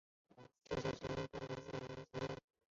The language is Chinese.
当时这场飓风是墨西哥在近代遭受的最严重的自然灾害。